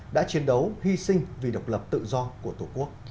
đã chiến đấu hy sinh vì độc lập tự do của tổ quốc